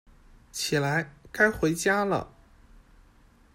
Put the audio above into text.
起来，该回家了